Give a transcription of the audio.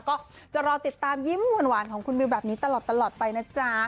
ก็จะรอติดตามยิ้มหวานของคุณวิวแบบนี้ตลอดไปนะจ๊ะ